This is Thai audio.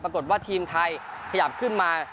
ปรากฏว่าทีมไทยขยับขึ้นมา